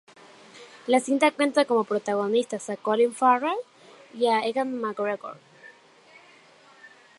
La cinta cuenta como protagonistas a Colin Farrell y a Ewan McGregor.